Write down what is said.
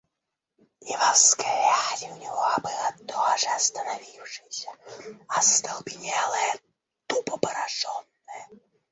И во взгляде у него было то же остановившееся, остолбенелое, тупо пораженное.